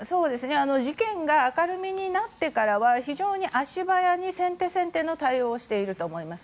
事件が明るみになってからは非常に足早に先手先手の対応をしていると思います。